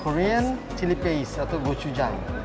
korean chili paste atau gochujang